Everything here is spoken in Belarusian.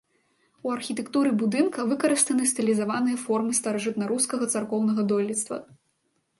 У архітэктуры будынка выкарыстаны стылізаваныя формы старажытнарускага царкоўнага дойлідства.